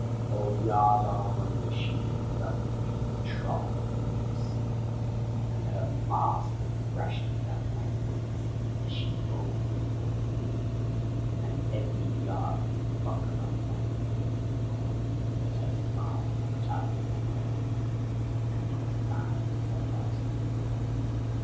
Oh yard arm under she did plunge in the trough of the deep seas, And her masts they thrashed about like whips as she bowled before the breeze, And every yard did buckle up like to a bending bow, But her spars were tough as whalebone, and 'twas time for us to go.